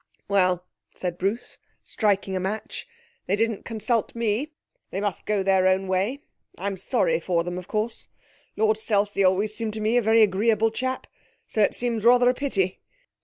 'Well,' said Bruce, striking a match, 'they didn't consult me! They must go their own way. I'm sorry for them, of course. Lord Selsey always seemed to me a very agreeable chap, so it seems rather a pity.